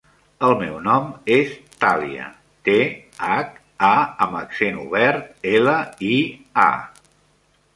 El meu nom és Thàlia: te, hac, a amb accent obert, ela, i, a.